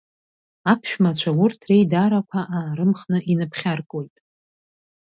Аԥшәмацәа урҭ реидарақәа аарымхны иныԥхьаркуеит.